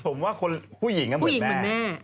ผมว่าคนผู้หญิงเหมือนแม่